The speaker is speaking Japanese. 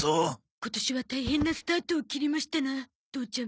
今年は大変なスタートをきりましたな父ちゃん。